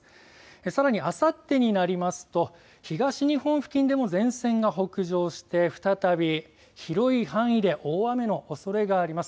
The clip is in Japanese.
さらにあさってになりますと東日本付近でも前線が北上して再び広い範囲で大雨のおそれがあります。